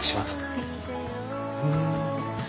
はい。